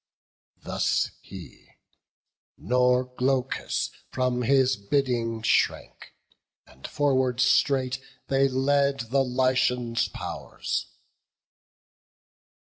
Thus he; nor Glaucus from his bidding shrank; And forward straight they led the Lycian pow'rs.